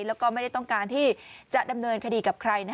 แล้วก็ไม่ได้ต้องการที่จะดำเนินคดีกับใคร